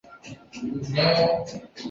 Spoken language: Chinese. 乾隆帝命金简将益晓等人送回本国。